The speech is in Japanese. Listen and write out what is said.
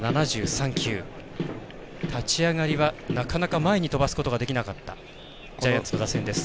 立ち上がりはなかなか前に飛ばすことができなかったジャイアンツの打線です。